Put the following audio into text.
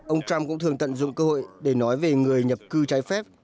ông trump cũng thường tận dụng cơ hội để nói về người nhập cư trái phép